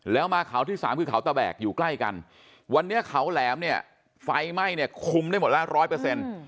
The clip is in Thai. แล้วมาเขาที่๓คือเขาตะแบกอยู่ใกล้กันวันนี้เขาแหลมไฟไหม้คุมได้หมดแล้ว๑๐๐